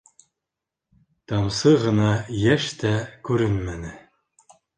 Тамсы ғына йәш тә күренмәне.